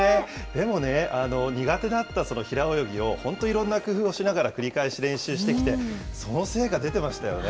でもね、苦手だった平泳ぎを、本当、いろんな工夫をしながら繰り返し練習してきて、その成果出てましたよね。